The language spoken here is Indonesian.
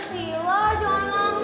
sila jangan ngambek dong